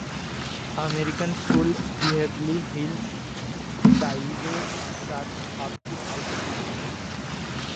American School Beverly Hills Cairo serves up to high school.